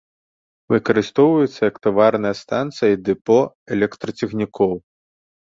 Выкарыстоўваецца як таварная станцыя і дэпо электрацягнікоў.